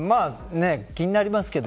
気になりますけど。